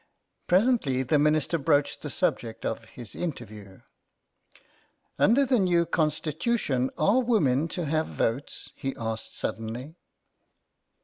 Presently the Minister broached the subject of his interview. " Under the new Constitution are women to have votes ?" he asked suddenly.